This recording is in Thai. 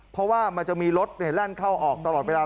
เพราะว่ามันจะมีรถแล่นเข้าออกตลอดเวลา